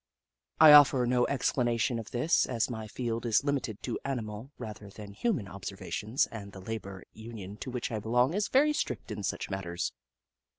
I offer no explanation of this, as my field is limited to animal, rather than human observations, and the Labour Union to which I belong is very strict in such Jagg, the Skootaway Goat 25 matters.